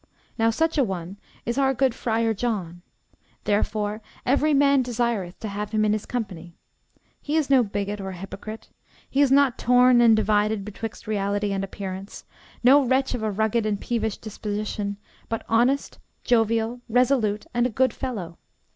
Now such a one is our good Friar John; therefore every man desireth to have him in his company. He is no bigot or hypocrite; he is not torn and divided betwixt reality and appearance; no wretch of a rugged and peevish disposition, but honest, jovial, resolute, and a good fellow.